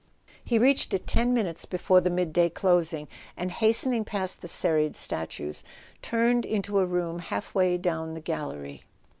He reached it ten minutes before the midday closing, and hastening past the serried statues, turned into a room half way down the gallery.